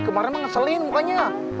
kemarin emang ngeselin mukanya